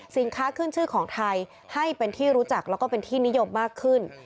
ขึ้นชื่อของไทยให้เป็นที่รู้จักแล้วก็เป็นที่นิยมมากขึ้น